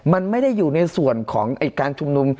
มันไม่ได้อยู่ในส่วนของการชุมนุม